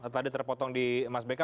tadi terpotong di mas beka